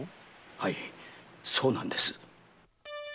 はいそうなんです。